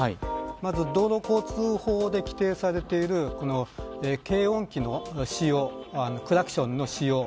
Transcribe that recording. まず道路交通法で規定されている警音器の使用クラクションの使用。